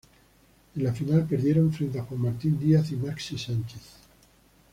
En la final perdieron frente a Juan Martín Díaz y Maxi Sánchez.